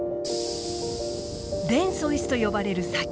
レンソイスと呼ばれる砂丘。